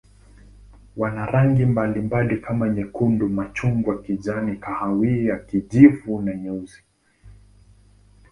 Wana rangi mbalimbali kama nyekundu, machungwa, kijani, kahawia, kijivu na nyeusi.